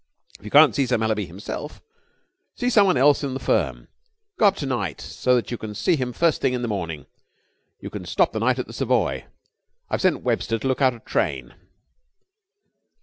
If you can't see Sir Mallaby himself, see someone else in the firm. Go up to night, so that you can see him first thing in the morning. You can stop the night at the Savoy. I've sent Webster to look out a train."